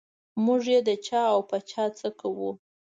موږ یې د چا او په چا څه کوو.